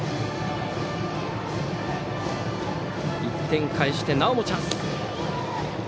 １点返してなおもチャンス。